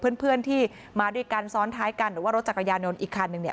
เพื่อนที่มาด้วยกันซ้อนท้ายกันหรือว่ารถจักรยานยนต์อีกคันนึงเนี่ย